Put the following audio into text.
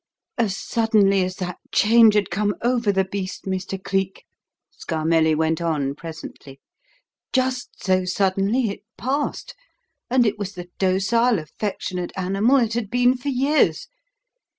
"As suddenly as that change had come over the beast, Mr. Cleek," Scarmelli went on presently, "just so suddenly it passed, and it was the docile, affectionate animal it had been for years.